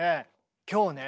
今日ね